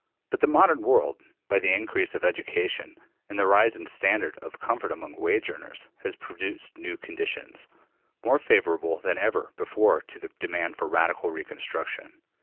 But the modern world, by the increase of education and the rise in the standard of comfort among wage earners, has produced new conditions, more favorable than ever before to the demand for radical reconstruction.